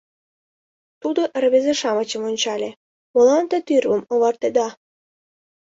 — Тудо рвезе-шамычым ончале: — Молан те тӱрвым овартеда!